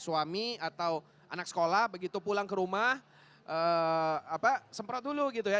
suami atau anak sekolah begitu pulang ke rumah semprot dulu gitu ya